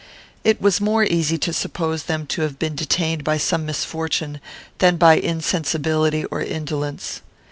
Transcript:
It was more easy to suppose them to have been detained by some misfortune, than by insensibility or indolence.